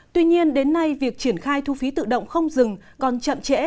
tuy nhiên đến nay việc triển khai thu phí tự động không dừng còn chậm trễ